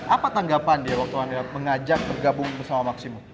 apa tanggapan dia waktu mengajak tergabung bersama maximo